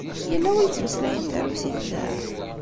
Yella win yettmeslayen tarusit da?